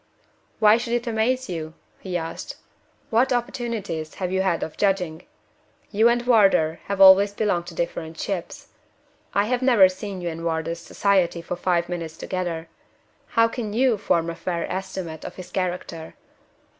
"Why should it amaze you?" he asked. "What opportunities have you had of judging? You and Wardour have always belonged to different ships. I have never seen you in Wardour's society for five minutes together. How can you form a fair estimate of his character?"